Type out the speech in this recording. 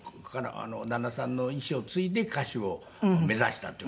旦那さんの遺志を継いで歌手を目指したという事を。